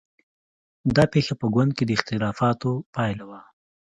دا پېښه په ګوند کې د اختلافونو پایله وه.